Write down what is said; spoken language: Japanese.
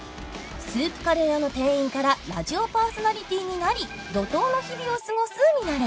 スープカレー屋の店員からラジオパーソナリティーになり怒濤の日々を過ごすミナレ